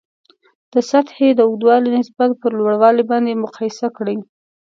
د سطحې د اوږدوالي نسبت پر لوړوالي باندې مقایسه کړئ.